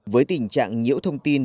với tình trạng nhiễu thông tin